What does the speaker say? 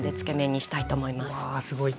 わあすごい。